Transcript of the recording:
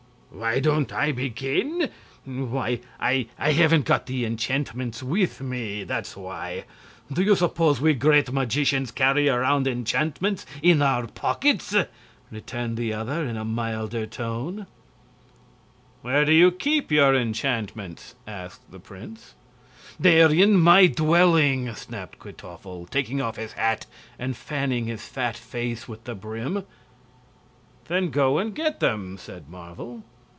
"Why don't I begin? Why, I haven't got the enchantments with me, that's why. Do you suppose we great magicians carry around enchantments in our pockets?" returned the other, in a milder tone. "Where do you keep your enchantments?" asked the prince. "They're in my dwelling," snapped Kwytoffle, taking off his hat and fanning his fat face with the brim. "Then go and get them," said Marvel.